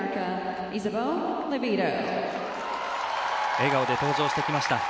笑顔で登場してきました。